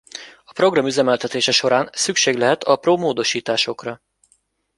A program üzemeltetése során szükség lehet apró módosításokra.